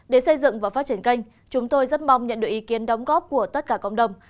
để xây dựng và phát triển kênh chúng tôi rất mong nhận được ý kiến đóng góp của tất cả cộng đồng